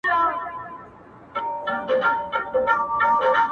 چي یې ځانته خوښوم بل ته یې هم غواړمه خدایه,